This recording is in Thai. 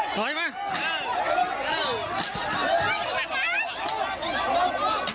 น้ำตาล